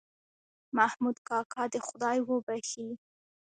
محمود کاکا دې خدای وبښې.